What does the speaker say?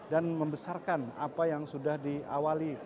dan membesarkan apa yang sudah diawali